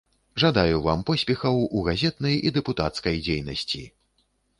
Жадаю вам поспехаў у газетнай і дэпутацкай дзейнасці!